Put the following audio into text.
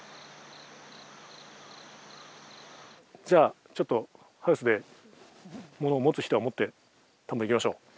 じゃあちょっとハウスで物を持つ人は持って田んぼ行きましょう。